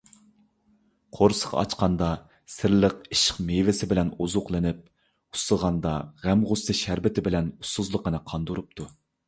قورسىقى ئاچقاندا «سىرلىق ئىشق مېۋىسى» بىلەن ئوزۇقلىنىپ، ئۇسسىغاندا «غەم - غۇسسە شەربىتى» بىلەن ئۇسسۇزلۇقىنى قاندۇرۇپتۇ.